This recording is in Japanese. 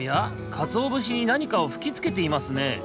かつおぶしになにかをふきつけていますね。